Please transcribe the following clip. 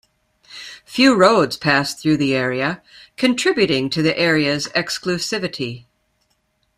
Few roads pass through the area, contributing to the area's exclusivity.